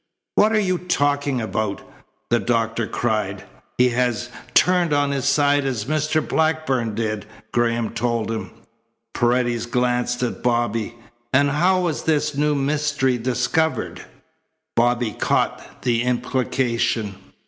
"What are you talking about?" the doctor cried. "He has turned on his side as Mr. Blackburn did," Graham told him. Paredes glanced at Bobby. "And how was this new mystery discovered?" Bobby caught the implication.